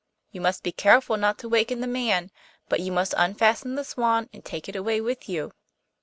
You must be careful not to waken the man, but you must unfasten the swan and take it away with you.